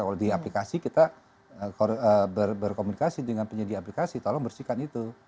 kalau di aplikasi kita berkomunikasi dengan penyedia aplikasi tolong bersihkan itu